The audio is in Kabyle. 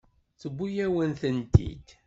Tewwi-yawen-tent-id.